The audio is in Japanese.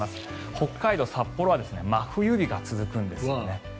北海道札幌は真冬日が続くんですね。